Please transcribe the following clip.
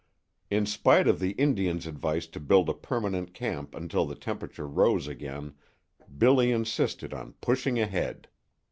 In spite of the Indian's advice to build a permanent camp until the temperature rose again Billy insisted on pushing ahead.